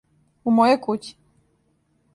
У мојој кући?